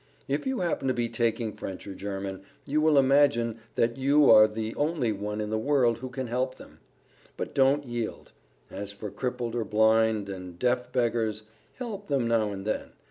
If you happen to be taking French or German, you will imagine that you are the only one in the world who can help them. But don't yield. As for crippled or blind and deaf beggars, help them now and then.